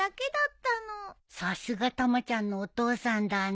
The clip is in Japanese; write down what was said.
さすがたまちゃんのお父さんだね。